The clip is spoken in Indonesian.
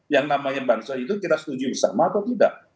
yang namanya bangsa itu kita setuju sama atau tidak